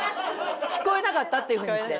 聞こえなかったってふうにして。